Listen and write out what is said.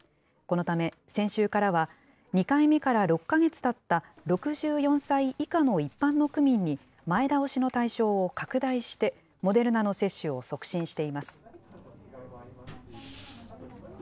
このため先週からは、２回目から６か月たった６４歳以下の一般の区民に前倒しの対象を拡大して、モデルナの接種を促進しています。